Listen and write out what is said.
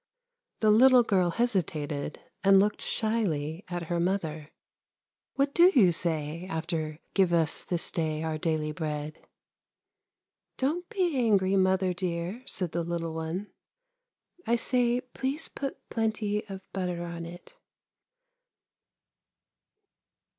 The little girl hesitated, and looked shyly at her mother. ' What do you say after " give us this day our daily bread? "'' Don't be angry, mother, dear,' said the little one; ' I say, please put plenty of butter on it.'